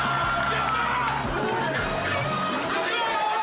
やった！